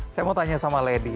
saya mau tanya sama lady